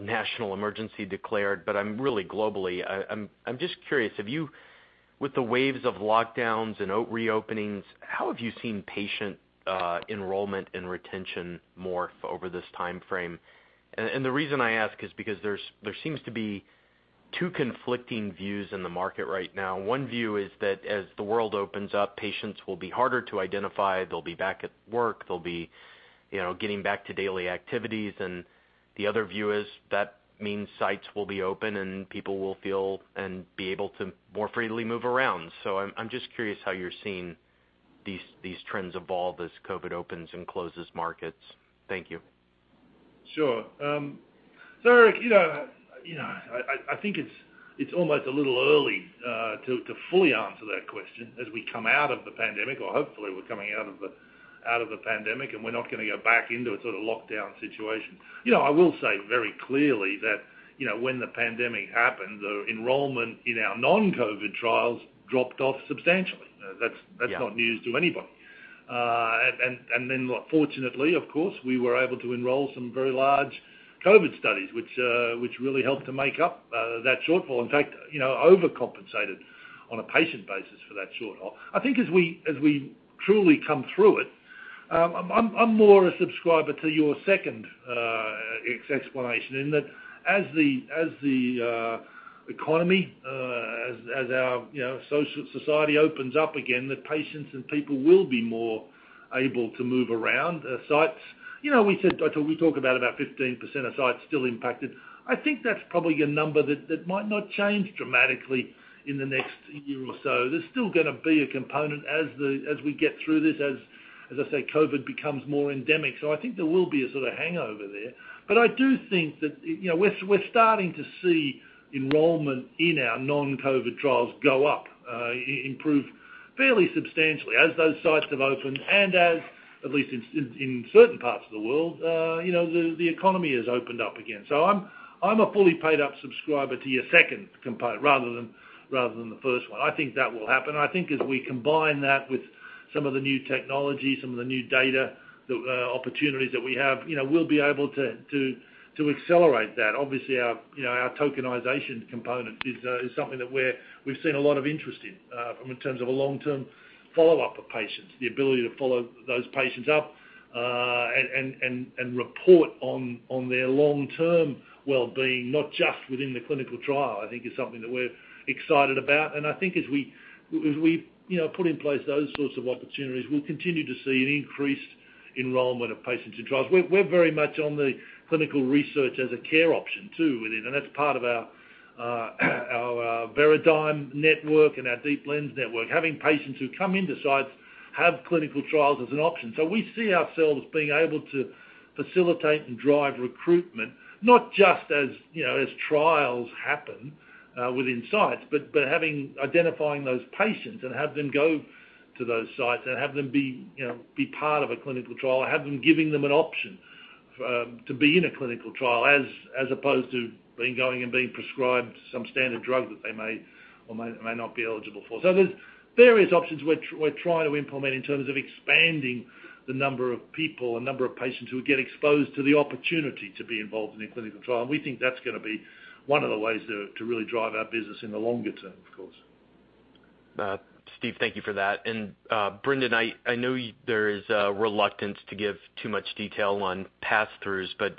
national emergency declared, but really globally. I'm just curious, with the waves of lockdowns and reopenings, how have you seen patient enrollment and retention morph over this timeframe? The reason I ask is because there seems to be two conflicting views in the market right now. One view is that as the world opens up, patients will be harder to identify. They'll be back at work. They'll be getting back to daily activities. The other view is that means sites will be open and people will feel and be able to more freely move around. I'm just curious how you're seeing these trends evolve as COVID opens and closes markets. Thank you. Sure. Eric, you know, I think it's almost a little early to fully answer that question as we come out of the pandemic or hopefully we're coming out of the pandemic, and we're not gonna go back into a sort of lockdown situation. You know, I will say very clearly that, you know, when the pandemic happened, the enrollment in our non-COVID trials dropped off substantially. That's. Yeah. That's not news to anybody. And then fortunately, of course, we were able to enroll some very large COVID studies, which really helped to make up that shortfall. In fact, you know, overcompensated on a patient basis for that shortfall. I think as we truly come through it, I'm more a subscriber to your second explanation in that as the economy, as our, you know, society opens up again, that patients and people will be more able to move around sites. You know, we talk about 15% of sites still impacted. I think that's probably a number that might not change dramatically in the next year or so. There's still gonna be a component as we get through this, as I say, COVID becomes more endemic. I think there will be a sort of hangover there. I do think that, you know, we're starting to see enrollment in our non-COVID trials go up, improve fairly substantially as those sites have opened and as at least in certain parts of the world, you know, the economy has opened up again. I'm a fully paid-up subscriber to your second component rather than the first one. I think that will happen. I think as we combine that with some of the new technology, some of the new data, the opportunities that we have, you know, we'll be able to accelerate that. Obviously, our you know our tokenization component is something that we've seen a lot of interest in from in terms of a long-term follow-up of patients, the ability to follow those patients up and report on their long-term wellbeing, not just within the clinical trial. I think is something that we're excited about. I think as we you know put in place those sorts of opportunities, we'll continue to see an increased enrollment of patients in trials. We're very much on the clinical research as a care option too within and that's part of our Veradigm network and our Deep Lens network, having patients who come into sites have clinical trials as an option. We see ourselves being able to facilitate and drive recruitment, not just as, you know, as trials happen within sites, but identifying those patients and have them go to those sites and have them be, you know, part of a clinical trial, have them giving them an option for to be in a clinical trial as opposed to being, going and being prescribed some standard drug that they may or may not be eligible for. There's various options we're trying to implement in terms of expanding the number of people, the number of patients who will get exposed to the opportunity to be involved in a clinical trial. We think that's gonna be one of the ways to really drive our business in the longer term, of course. Steve, thank you for that. Brendan, I know there is a reluctance to give too much detail on pass-throughs, but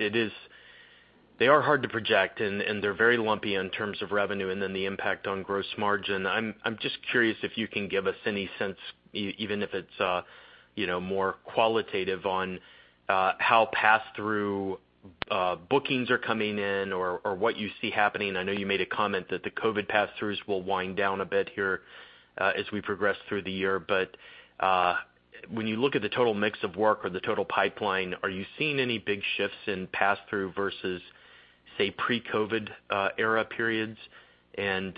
they are hard to project, and they're very lumpy in terms of revenue and then the impact on gross margin. I'm just curious if you can give us any sense even if it's, you know, more qualitative on how pass-through bookings are coming in or what you see happening. I know you made a comment that the COVID pass-throughs will wind down a bit here as we progress through the year. When you look at the total mix of work or the total pipeline, are you seeing any big shifts in pass-throughs versus, say, pre-COVID era periods? If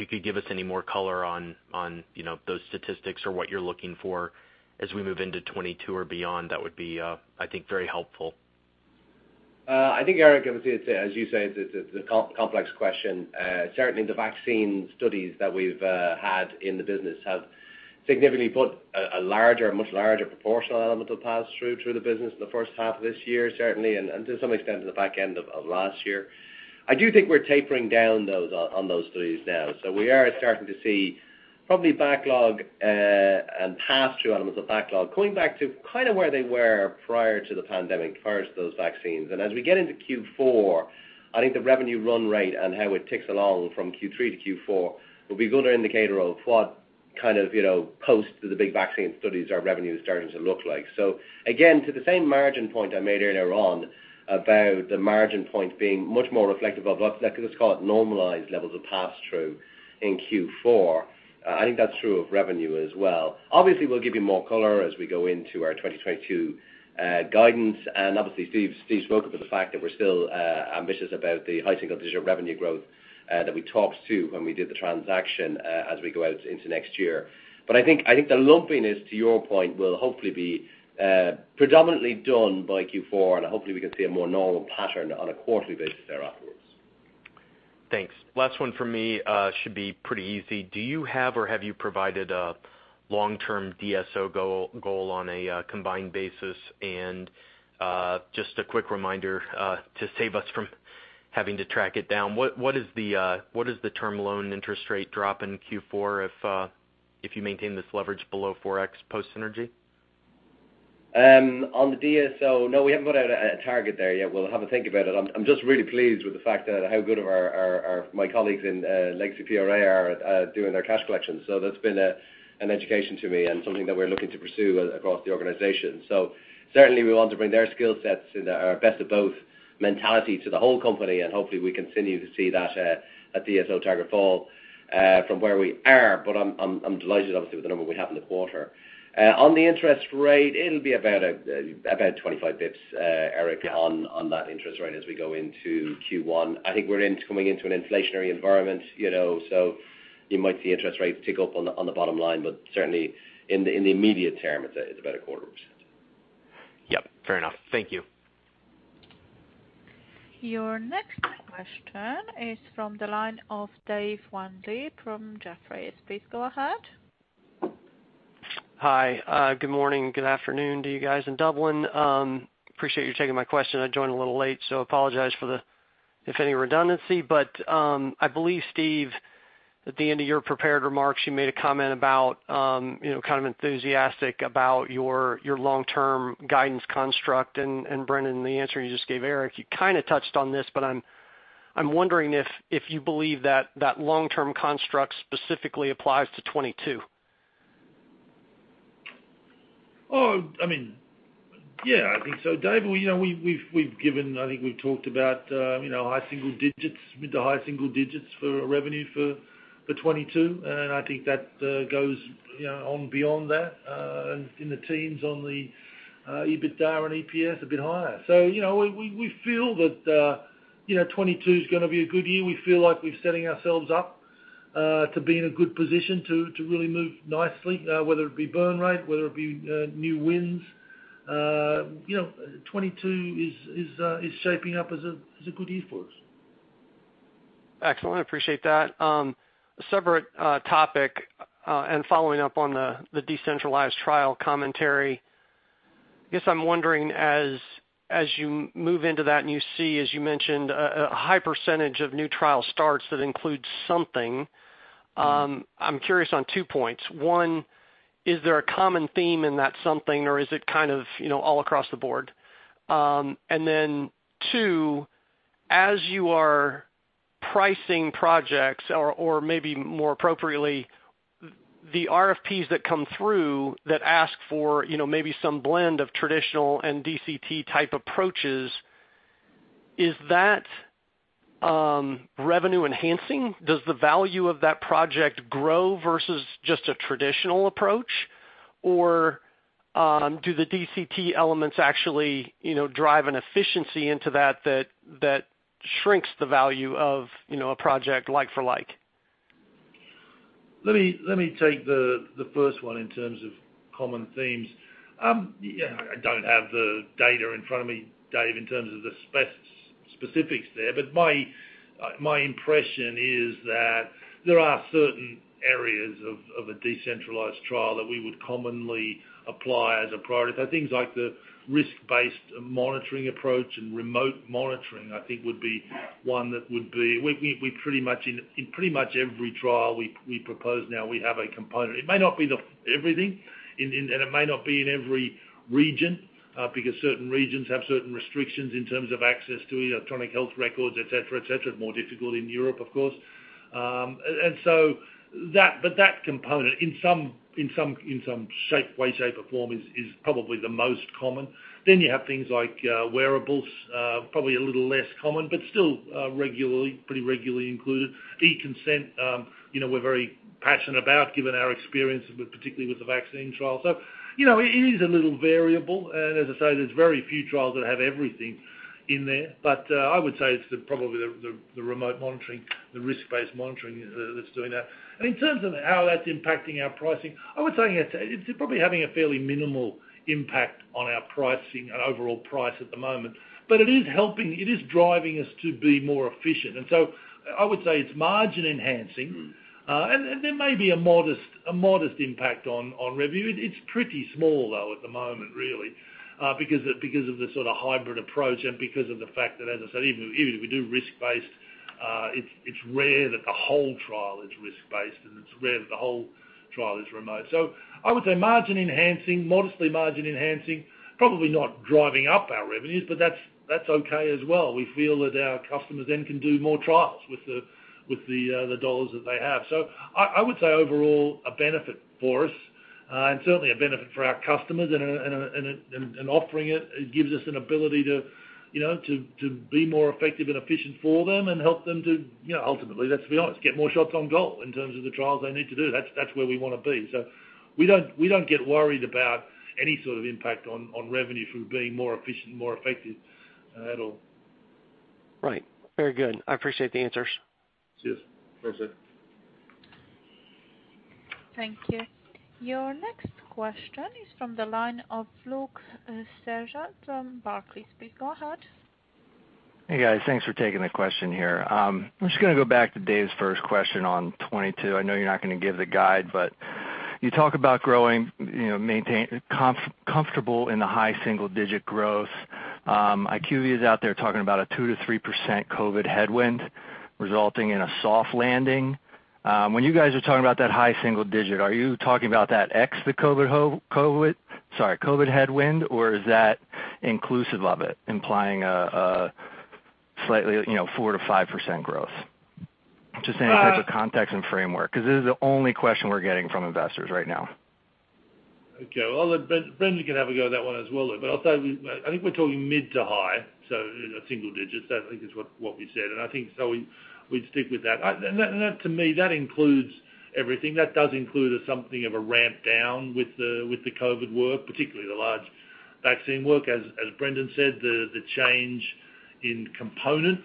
you could give us any more color on those statistics or what you're looking for as we move into 2022 or beyond, that would be, I think, very helpful. I think, Eric, obviously, as you say, the complex question. Certainly the vaccine studies that we've had in the business have significantly put a larger, much larger proportional element of pass-through to the business in the first half of this year, certainly, and to some extent to the back end of last year. I do think we're tapering down on those studies now. We are starting to see probably backlog and pass-through elements of backlog going back to kind of where they were prior to the pandemic, prior to those vaccines. As we get into Q4, I think the revenue run rate and how it ticks along from Q3 to Q4 will be a good indicator of what kind of, you know, post the big vaccine studies our revenue is starting to look like. Again, to the same margin point I made earlier on about the margin point being much more reflective of what's, let's call it, normalized levels of pass-through in Q4, I think that's true of revenue as well. Obviously, we'll give you more color as we go into our 2022 guidance. Obviously, Steve spoke about the fact that we're still ambitious about the high single-digit revenue growth that we talked to when we did the transaction as we go out into next year. I think the lumpiness, to your point, will hopefully be predominantly done by Q4, and hopefully we can see a more normal pattern on a quarterly basis there afterwards. Thanks. Last one for me, should be pretty easy. Do you have or have you provided a long-term DSO goal on a combined basis? Just a quick reminder to save us from having to track it down, what is the term loan interest rate drop in Q4 if you maintain this leverage below 4x post synergy? On the DSO, no, we haven't put out a target there yet. We'll have a think about it. I'm just really pleased with the fact that how good my colleagues in legacy PRA are doing their cash collections. That's been an education to me and something that we're looking to pursue across the organization. Certainly we want to bring their skill sets and our best of both mentality to the whole company, and hopefully we continue to see that a DSO target fall from where we are. I'm delighted obviously with the number we have in the quarter. On the interest rate, it'll be about 25 basis points, Eric. Yeah on that interest rate as we go into Q1. I think we're coming into an inflationary environment, you know, so you might see interest rates tick up on the bottom line. But certainly in the immediate term, it's about 0.25%. Yep, fair enough. Thank you. Your next question is from the line of Dave Windley from Jefferies. Please go ahead. Hi. Good morning, good afternoon to you guys in Dublin. Appreciate you taking my question. I joined a little late, so I apologize for the redundancy, if any. I believe, Steve, at the end of your prepared remarks, you made a comment about, you know, kind of enthusiastic about your long-term guidance construct. Brendan, the answer you just gave Eric, you kinda touched on this, but I'm wondering if you believe that long-term construct specifically applies to 2022. Oh, I mean, yeah, I think so. Dave, you know, we've given. I think we've talked about, you know, high single digits, mid- to high single digits for revenue for 2022. I think that goes, you know, on beyond that in the teens on the EBITDA and EPS a bit higher. You know, we feel that, you know, 2022 is gonna be a good year. We feel like we're setting ourselves up to be in a good position to really move nicely, whether it be burn rate, whether it be new wins. You know, 2022 is shaping up as a good year for us. Excellent. I appreciate that. A separate topic and following up on the decentralized trial commentary. I guess I'm wondering as you move into that and you see, as you mentioned, a high percentage of new trial starts that includes something. Mm-hmm. I'm curious on two points. One, is there a common theme in that something or is it kind of, you know, all across the board? Then two, as you are pricing projects or maybe more appropriately The RFPs that come through that ask for, you know, maybe some blend of traditional and DCT type approaches, is that, revenue enhancing? Does the value of that project grow versus just a traditional approach? Or, do the DCT elements actually, you know, drive an efficiency into that that shrinks the value of, you know, a project like for like? Let me take the first one in terms of common themes. Yeah, I don't have the data in front of me, Dave, in terms of the specifics there, but my impression is that there are certain areas of a decentralized trial that we would commonly apply as a priority. So things like the risk-based monitoring approach and remote monitoring, I think would be one. We pretty much, in pretty much every trial we propose now, have a component. It may not be everything and it may not be in every region, because certain regions have certain restrictions in terms of access to electronic health records, et cetera. It's more difficult in Europe, of course. But that component in some shape, way, shape, or form is probably the most common. Then you have things like wearables, probably a little less common, but still regularly, pretty regularly included. eConsent, you know, we're very passionate about given our experience with, particularly with the vaccine trial. You know, it is a little variable. As I say, there's very few trials that have everything in there. I would say it's probably the remote monitoring, the risk-based monitoring that's doing that. In terms of how that's impacting our pricing, I would say it's probably having a fairly minimal impact on our pricing and overall price at the moment. It is helping, it is driving us to be more efficient. I would say it's margin enhancing. There may be a modest impact on revenue. It's pretty small, though, at the moment, really, because of the sort of hybrid approach and because of the fact that, as I said, even if we do risk-based, it's rare that the whole trial is risk-based, and it's rare that the whole trial is remote. I would say modestly margin enhancing, probably not driving up our revenues, but that's okay as well. We feel that our customers then can do more trials with the dollars that they have. I would say overall, a benefit for us and certainly a benefit for our customers. In offering it gives us an ability to you know be more effective and efficient for them and help them to you know ultimately, let's be honest, get more shots on goal in terms of the trials they need to do. That's where we wanna be. We don't get worried about any sort of impact on revenue through being more effective at all. Right. Very good. I appreciate the answers. Cheers. Pleasure. Thank you. Your next question is from the line of Luke Sergott from Barclays, please go ahead. Hey, guys. Thanks for taking the question here. I'm just gonna go back to Dave's first question on 2022. I know you're not gonna give the guide, but you talk about growing comfortable in the high single-digit growth. IQVIA is out there talking about a 2% to 3% COVID headwind resulting in a soft landing. When you guys are talking about that high single-digit, are you talking about that ex-COVID headwind, or is that inclusive of it, implying a slightly four to five percent growth? Just any type of context and framework, because this is the only question we're getting from investors right now. Okay. Well, Brendan can have a go at that one as well, Luke. I'll say, I think we're talking mid- to high-, so a single digit. That I think is what we said. I think we'd stick with that. That to me that includes everything. That does include something of a ramp down with the COVID work, particularly the large vaccine work. As Brendan said, the change in component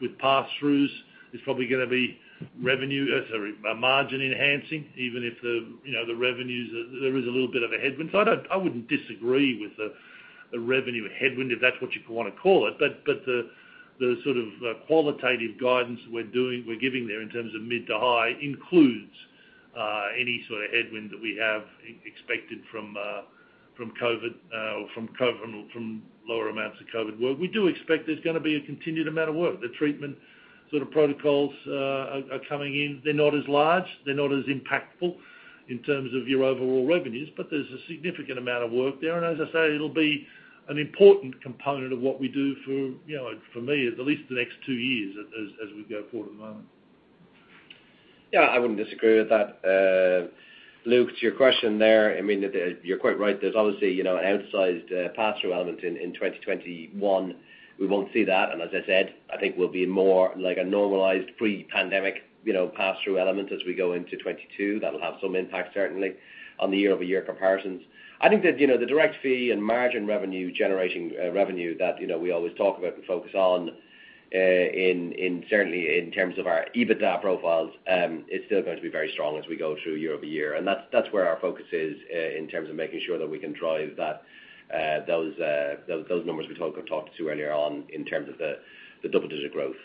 with pass-throughs is probably gonna be revenue, sorry, margin enhancing, even if, you know, the revenues there is a little bit of a headwind. I wouldn't disagree with the revenue headwind, if that's what you wanna call it. The sort of qualitative guidance we're giving there in terms of mid to high includes any sort of headwind that we have expected from COVID or from lower amounts of COVID work. We do expect there's gonna be a continued amount of work. The treatment sort of protocols are coming in. They're not as large, they're not as impactful in terms of your overall revenues, but there's a significant amount of work there. As I say, it'll be an important component of what we do for, you know, for me, at least the next two years as we go forward at the moment. Yeah, I wouldn't disagree with that. Luke, to your question there, I mean, you're quite right. There's obviously, you know, an outsized pass-through element in 2021. We won't see that. As I said, I think we'll be more like a normalized pre-pandemic, you know, pass-through element as we go into 2022. That'll have some impact certainly on the year-over-year comparisons. I think that, you know, the direct fee and margin revenue generating revenue that, you know, we always talk about and focus on, in certainly in terms of our EBITDA profiles, is still going to be very strong as we go through year-over-year. That's where our focus is in terms of making sure that we can drive those numbers we talked to earlier on in terms of the double-digit growth.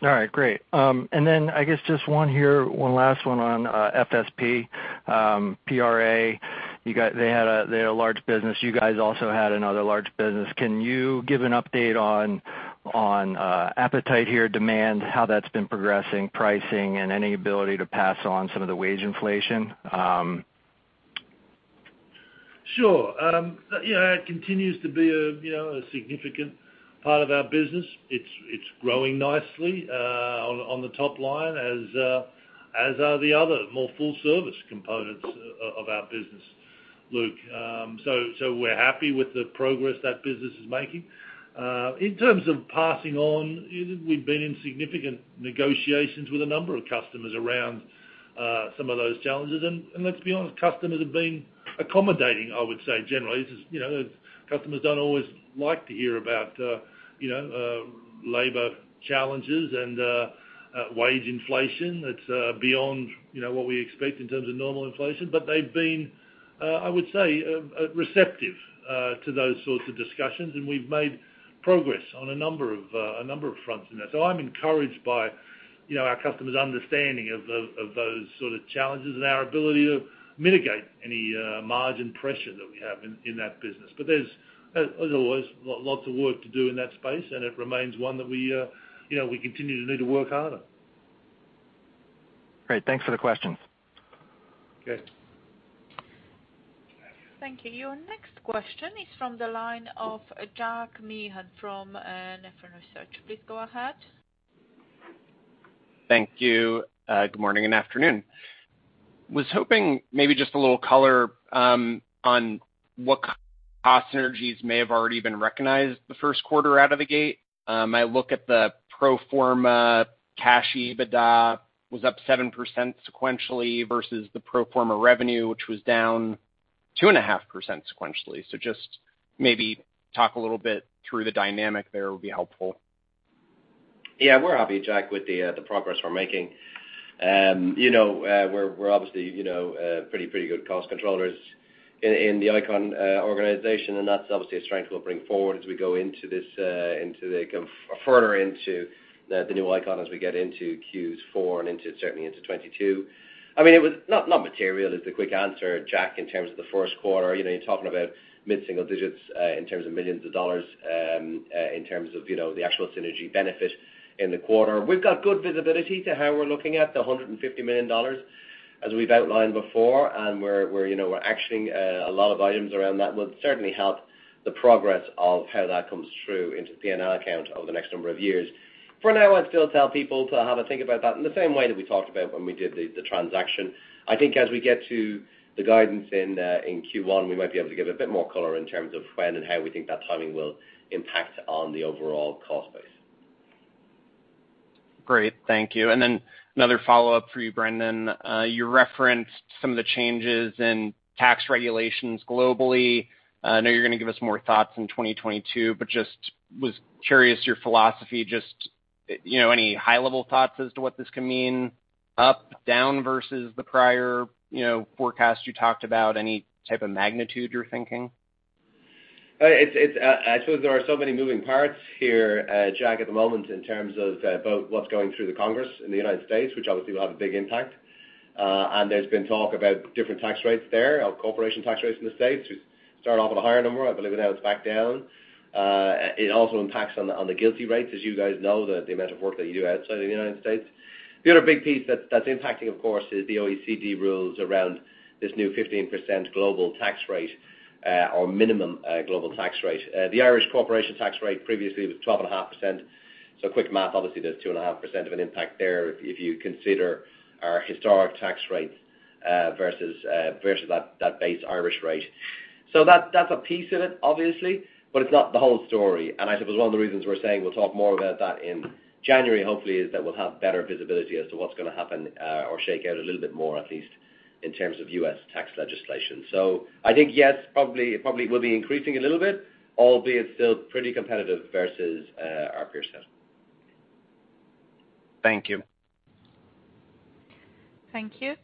All right, great. Then I guess just one here, one last one on FSP, PRA. They had a large business. You guys also had another large business. Can you give an update on appetite here, demand, how that's been progressing, pricing, and any ability to pass on some of the wage inflation? Sure. It continues to be a, you know, a significant part of our business. It's growing nicely on the top line as are the other more full service components of our business, Luke. We're happy with the progress that business is making. In terms of passing on, we've been in significant negotiations with a number of customers around some of those challenges. Let's be honest, customers have been accommodating, I would say, generally. This is, you know, customers don't always like to hear about labor challenges and wage inflation that's beyond what we expect in terms of normal inflation. They've been, I would say, receptive to those sorts of discussions, and we've made progress on a number of fronts in that. I'm encouraged by, you know, our customers' understanding of those sort of challenges and our ability to mitigate any margin pressure that we have in that business. There's, as always, lots of work to do in that space, and it remains one that we, you know, we continue to need to work harder. Great. Thanks for the questions. Okay. Thank you. Your next question is from the line of Jack Meehan from Nephron Research. Please go ahead. Thank you. Good morning and afternoon. I was hoping maybe just a little color on what cost synergies may have already been recognized the Q1 out of the gate. I look at the pro forma cash EBITDA was up 7% sequentially versus the pro forma revenue, which was down 2.5% sequentially. Just maybe talk a little bit through the dynamic there would be helpful. Yeah, we're happy, Jack, with the progress we're making. You know, we're obviously, you know, pretty good cost controllers in the ICON organization, and that's obviously a strength we'll bring forward as we go into this further into the new ICON as we get into Q4 and into, certainly into 2022. I mean, it was not material is the quick answer, Jack, in terms of the Q1. You know, you're talking about mid-single digits in terms millions of dollars in terms of, you know, the actual synergy benefit in the quarter. We've got good visibility to how we're looking at the $150 million as we've outlined before, and you know, we're actioning a lot of items around that will certainly help the progress of how that comes through into P&L account over the next number of years. For now, I'd still tell people to have a think about that in the same way that we talked about when we did the transaction. I think as we get to the guidance in Q1, we might be able to give a bit more color in terms of when and how we think that timing will impact on the overall cost base. Great. Thank you. Then another follow-up for you, Brendan. You referenced some of the changes in tax regulations globally. I know you're gonna give us more thoughts in 2022, but just was curious your philosophy just, you know, any high-level thoughts as to what this can mean up, down versus the prior, you know, forecast you talked about. Any type of magnitude you're thinking? It's I suppose there are so many moving parts here, Jack, at the moment in terms of both what's going through the Congress in the United States, which obviously will have a big impact. There's been talk about different tax rates there, our corporation tax rates in the States, which started off at a higher number. I believe now it's back down. It also impacts on the GILTI rates, as you guys know the amount of work that you do outside of the United States. The other big piece that's impacting, of course, is the OECD rules around this new 15% global tax rate, or minimum global tax rate. The Irish corporation tax rate previously was 12.5%. Quick math, obviously there's 2.5% of an impact there if you consider our historic tax rates versus that base Irish rate. That's a piece of it, obviously, but it's not the whole story. I suppose one of the reasons we're saying we'll talk more about that in January, hopefully, is that we'll have better visibility as to what's gonna happen or shake out a little bit more at least in terms of US tax legislation. I think, yes, probably will be increasing a little bit, albeit still pretty competitive versus our peer set. Thank you. Thank you.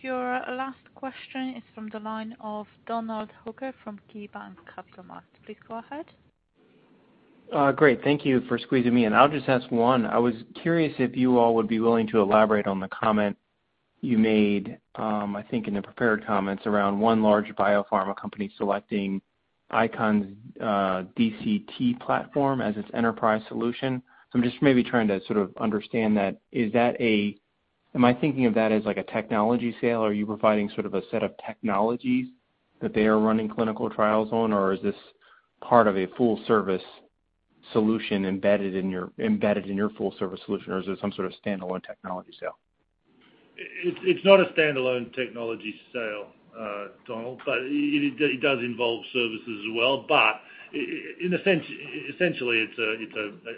Your last question is from the line of Donald Hooker from KeyBanc Capital Markets. Please go ahead. Great. Thank you for squeezing me in. I'll just ask one. I was curious if you all would be willing to elaborate on the comment you made, I think in the prepared comments around one large biopharma company selecting ICON's DCT platform as its enterprise solution. I'm just maybe trying to sort of understand that. Is that a Am I thinking of that as like a technology sale? Are you providing sort of a set of technologies that they are running clinical trials on, or is this part of a full service solution embedded in your full service solution, or is it some sort of standalone technology sale? It's not a standalone technology sale, Donald, but it does involve services as well. In essence, essentially it's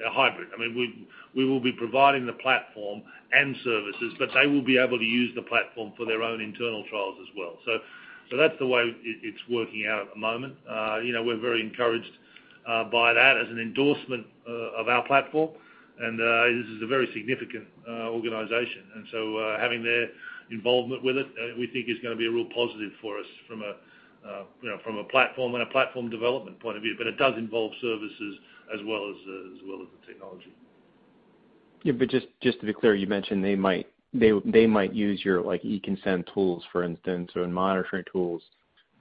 a hybrid. I mean, we will be providing the platform and services, but they will be able to use the platform for their own internal trials as well. That's the way it's working out at the moment. You know, we're very encouraged by that as an endorsement of our platform. This is a very significant organization. Having their involvement with it, we think is gonna be a real positive for us from a, you know, from a platform and a platform development point of view. It does involve services as well as the technology. Yeah. Just to be clear, you mentioned they might use your, like, eConsent tools, for instance, or monitoring tools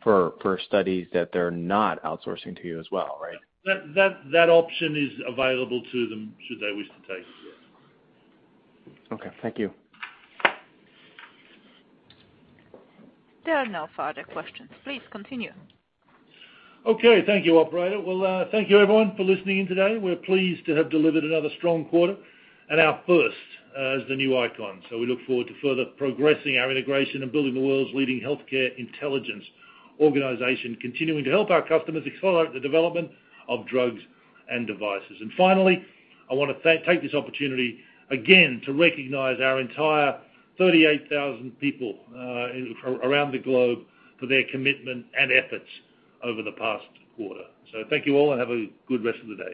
for studies that they're not outsourcing to you as well, right? That option is available to them should they wish to take it, yes. Okay. Thank you. There are no further questions. Please continue. Okay. Thank you, operator. Well, thank you everyone for listening in today. We're pleased to have delivered another strong quarter and our first as the new ICON. We look forward to further progressing our integration and building the world's leading healthcare intelligence organization, continuing to help our customers accelerate the development of drugs and devices. Finally, I wanna take this opportunity again to recognize our entire 38,000 people around the globe for their commitment and efforts over the past quarter. Thank you all, and have a good rest of the day.